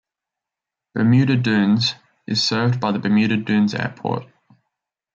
Bermuda Dunes is served by the Bermuda Dunes Airport.